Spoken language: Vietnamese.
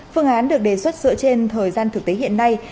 phương án được đề xuất dựa trên thời gian thực tế hiện nay